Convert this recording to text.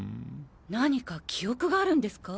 何か記憶があるんですか？